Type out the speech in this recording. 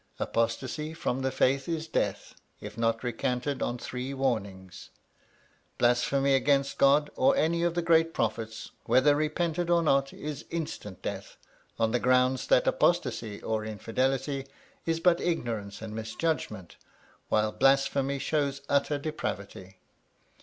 Apostacy from the faith is death if not recanted on three warnings. Blasphemy against God or any of the Great Prophets, whether repented or not, is instant death: on the ground that apostacy or infidelity is but ignorance and misjudgment, while blasphemy shows utter depravity.